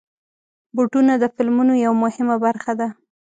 بوټونه د فلمونو یوه مهمه برخه ده.